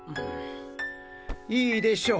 いいでしょう。